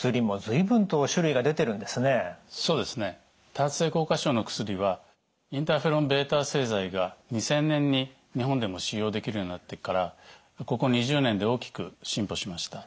多発性硬化症の薬はインターフェロンβ製剤が２０００年に日本でも使用できるようになってからここ２０年で大きく進歩しました。